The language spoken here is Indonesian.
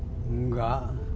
deshalb ada foto atau sulit